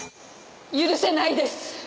許せないです！